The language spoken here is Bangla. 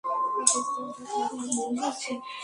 আগের চেয়ে আরও খারাপ কিছু ধেয়ে আসছে।